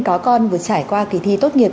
có con vừa trải qua kỳ thi tốt nghiệp